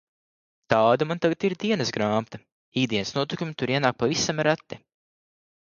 Tāda man tagad ir dienasgrāmata – ikdienas notikumi tur ienāk pavisam reti.